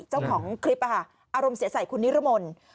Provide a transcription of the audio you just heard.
เจ้าของคลิปอารมณ์เสียใส่คุณนิรมนต์